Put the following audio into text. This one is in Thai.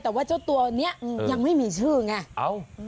แต่ว่าเจ้าตัวนี้ยังไม่มีชื่อไง